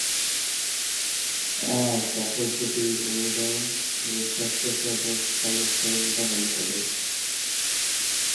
প্রকল্পটি অনুদান ও স্বেচ্ছাসেবক সমর্থন গ্রহণ করে।